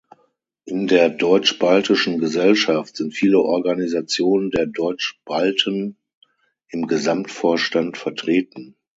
In der "Deutsch-Baltischen Gesellschaft" sind viele Organisationen der Deutsch-Balten im Gesamtvorstand vertreten.